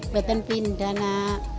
bukan pindah nak